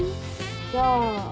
じゃあ。